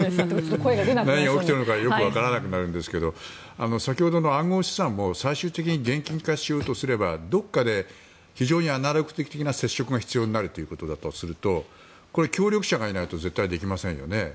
何が起きているのかよく分からなくなりますが先ほどの暗号資産も最終的に現金化しようとすればどこかで非常にアナログ的な接触が必要になるということだとするとこれは協力者がいないと絶対にできませんよね。